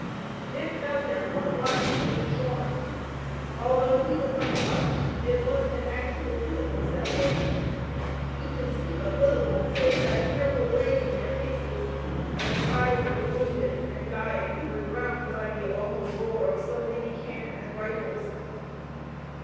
Dick felt their front lines being shorn. Although he was untouched it was an actual physical sensation. He could see but little save that fearful blaze in their faces, and the cries of the wounded and dying were drowned by the awful roar of so many cannon and rifles.